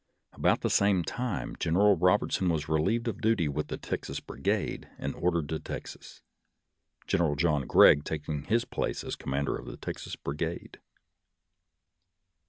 About the same time Gen eral Eobertson was relieved of duty with the Texas Brigade and ordered to Texas, General John Gregg taking his place as commander of the Texas Brigade.